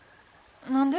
何で？